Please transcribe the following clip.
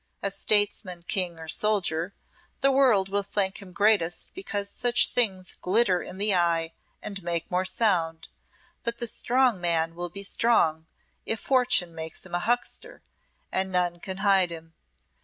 As statesman, King, or soldier, the world will think him greatest because such things glitter in the eye and make more sound; but the strong man will be strong if Fortune makes him a huckster, and none can hide him.